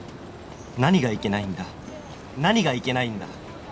「何がいけないんだ何がいけないんだ」